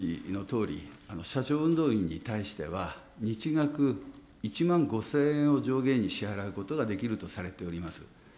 委員もご存じのとおり、車上運動員に対しては、日額１万５０００円を上限に支払うことができるとされております。